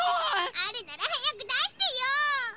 あるならはやくだしてよ！